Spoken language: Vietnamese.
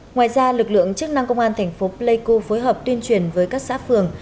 ngoài ra lực lượng chức năng công an thành phố pleiku phối hợp tuyên truyền với các xã phường